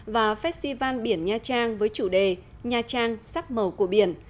và festival biển nha trang với chủ đề nha trang sắc màu của biển